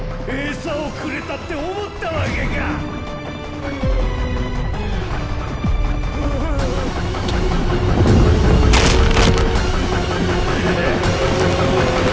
餌をくれたって思ったわけかッ！あああああ。